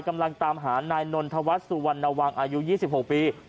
กำลังตามหานายนนทวัฒน์สุวรรณวังอายุ๒๖ปี